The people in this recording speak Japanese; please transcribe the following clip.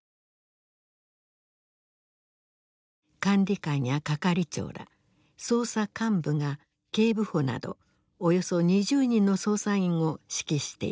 管理官や係長ら捜査幹部が警部補などおよそ２０人の捜査員を指揮していた。